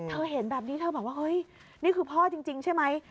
เห็นแบบนี้เธอบอกว่าเฮ้ยนี่คือพ่อจริงใช่ไหม